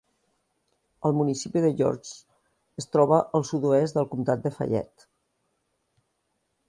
El municipi de Georges es troba al sud-oest del comtat de Fayette.